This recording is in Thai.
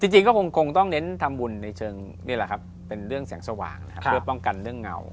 จริงก็คงต้องเน้นทำบุญเป็นเรื่องแสงสว่างเพื่อป้องกันเรื่องเงา